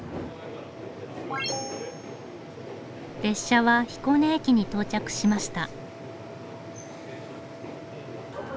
列車は彦根駅に到着しました。